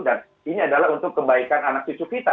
dan ini adalah untuk kebaikan anak cucu kita